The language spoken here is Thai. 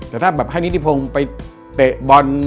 แต่ถ้าแบบให้นิติพงศ์ไปเตะบอล